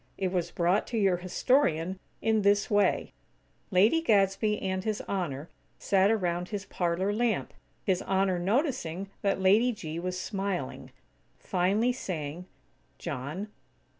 It was brought to your historian in this way: Lady Gadsby and His Honor sat around his parlor lamp, His Honor noticing that Lady G. was smiling, finally saying: "John."